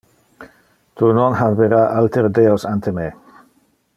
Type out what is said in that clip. Tu non habera altere deos ante me.